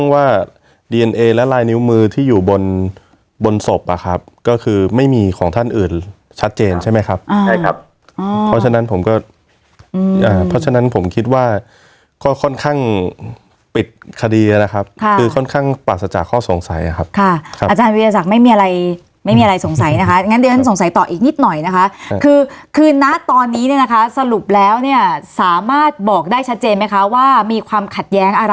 ใช่ครับอ่าใช่ครับอ๋อเพราะฉะนั้นผมก็อืมอ่าเพราะฉะนั้นผมคิดว่าค่อนข้างปิดคดีนะครับค่ะคือค่อนข้างปรัสจากข้อสงสัยนะครับค่ะครับอาจารย์วิทยาศักดิ์ไม่มีอะไรไม่มีอะไรสงสัยนะคะงั้นเดี๋ยวเราสงสัยต่ออีกนิดหน่อยนะคะคือคือน่าตอนนี้เนี่ยนะคะสรุปแล้วเนี่ยสามารถบอกได้ชัดเจนไหมคะว่ามีความขัด